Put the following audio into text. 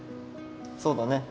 そうだね。